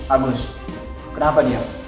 agus kenapa dia